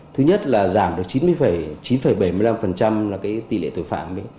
thứ nhất là giảm được chín bảy mươi năm là tỷ lệ tội phạm